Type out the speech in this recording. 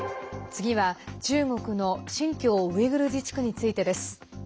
次は中国の新疆ウイグル自治区についてです。